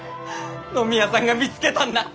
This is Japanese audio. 野宮さんが見つけたんだ！